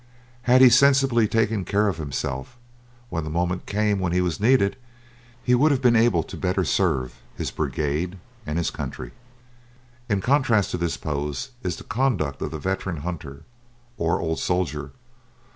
Had he sensibly taken care of himself, when the moment came when he was needed, he would have been able to better serve his brigade and his country. In contrast to this pose is the conduct of the veteran hunter, or old soldier.